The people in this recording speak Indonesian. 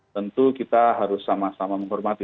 tentu kita harus sama sama menghormati